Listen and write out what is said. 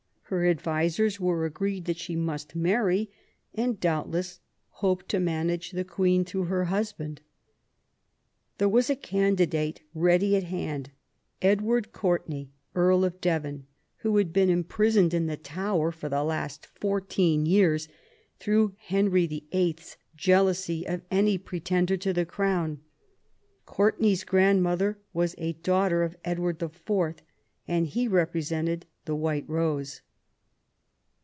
Her advisers were agreed that she must marry, and doubtless hoped to manage the Queen through her husband. There was a candidate ready at hand, Edward Courtenay, Earl of Devon, who had been imprisoned in the Tower for the last fourteen years through Henry VIII.'s THE YOUTH OF ELIZABETH. 25 jealousy of any pretender to the Crown. Courtenay's grandmother was a daughter of Edward IV., and he represented the White Rose.